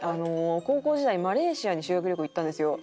高校時代マレーシアに修学旅行行ったんですよ。